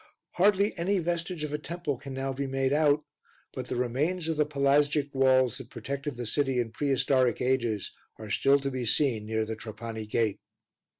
Hardly any vestige of a temple can now be made out, but the remains of the Pelasgic walls that protected the city in prehistoric ages are still to be seen near the Trapani gate.